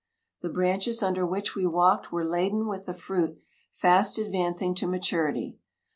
The branches under which we walked were laden with the fruit, fast advancing to maturity.